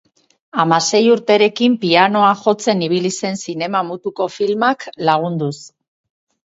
Hamasei urterekin, pianoa jotzen ibili zen zinema mutuko filmak lagunduz.